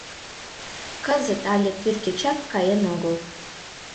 Кызыт але тӱргочак каен огыл.